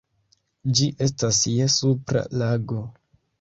Ĝi estas je Supra Lago.